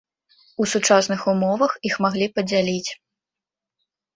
У сучасных умовах іх маглі падзяліць.